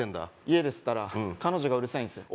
家で吸ったら彼女がうるさいんすよ